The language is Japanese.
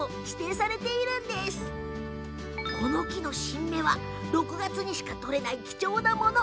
この木の新芽は６月にしか取れない貴重なもの。